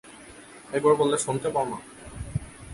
একবার বললে শোনতে পাও না?